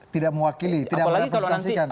tidak mewakili tidak merepresentasikan